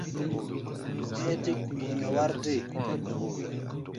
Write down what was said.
Ɛ́ɛ́ tɛ́ ku yi nɛ wár dée?